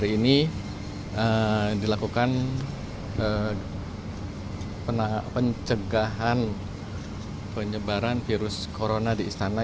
ini dilakukan pencegahan penyebaran virus corona di istana